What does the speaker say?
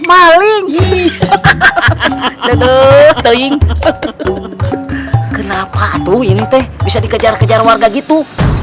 maling hahaha duduk keing kenapa tuh ini teh bisa dikejar kejar warga gitu